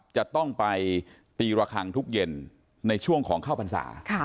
จะต้องไปตีระคังทุกเย็นในช่วงของเข้าพรรษา